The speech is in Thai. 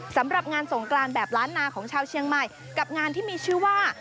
สำหรับงานสงกรานแบบล้านนาของชาวเชียงใหม่กับงานที่มีชื่อว่า